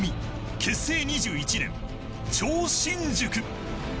結成２１年、超新塾。